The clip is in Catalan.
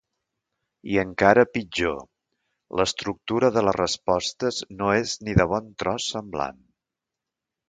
I encara pitjor, l'estructura de les respostes no és ni de bon tros semblant.